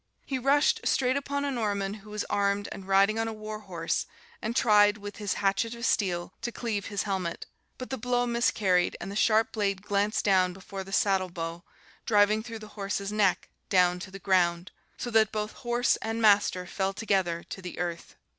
He rushed straight upon a Norman who was armed and riding on a war horse, and tried with, his hatchet of steel to cleave his helmet; but the blow miscarried and the sharp blade glanced down before the saddle bow, driving through the horse's neck down to the ground, so that both horse and master fell together to the earth.